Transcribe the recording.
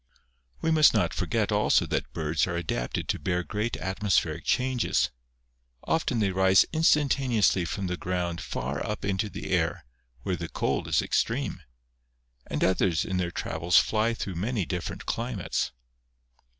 We must not forget also that birds are adapted to bear great atmospheric changes. Often they rise instan taneously from the ground far up into the air, where the cold is extreme ; and others in their travels fly through many different climates.